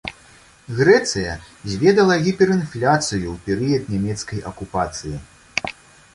Грэцыя зведала гіперінфляцыю ў перыяд нямецкай акупацыі.